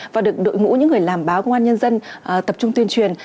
và được đội ngũ những người làm báo của quan nhân dân tập trung tuyên truyền